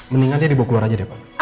mendingan dia dibawa keluar aja deh pak